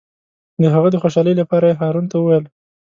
د هغه د خوشحالۍ لپاره یې هارون ته وویل.